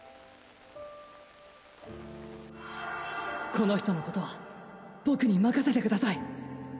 この人のことは僕に任せてください